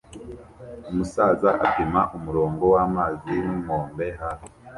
Umusaza apima umurongo wamazi winkombe hafi